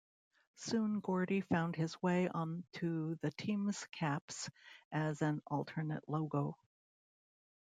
Soon Gordy found his way on to the team's caps as an alternate logo.